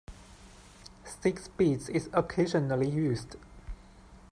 "Six bits" is occasionally used.